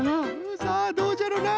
さあどうじゃろうな？